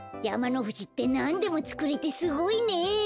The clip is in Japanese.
やまのふじってなんでもつくれてすごいね。